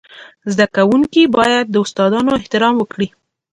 زده کوونکي باید د استادانو احترام وکړي.